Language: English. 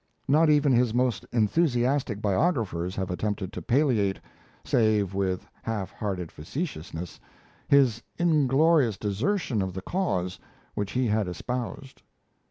Not even his most enthusiastic biographers have attempted to palliate, save with half hearted facetiousness, his inglorious desertion of the cause which he had espoused.